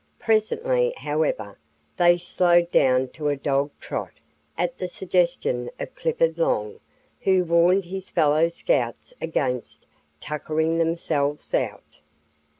Presently, however, they slowed down to a "dog trot" at the suggestion of Clifford Long, who warned his fellow Scouts against "tuckering themselves out."